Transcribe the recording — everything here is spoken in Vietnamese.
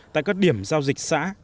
tại các điểm giao dịch xã